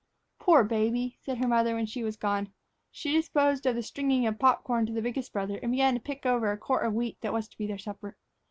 "Poor baby!" said her mother when she was gone. She disposed of the stringing of the pop corn to the biggest brother and began to pick over a quart of wheat that was to be their supper.